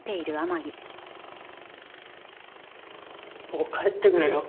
もう帰ってくれよ。